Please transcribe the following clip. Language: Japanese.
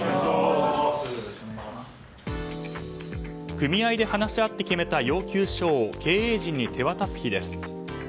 組合で話し合って決めた要求書を経営陣に手渡す日です。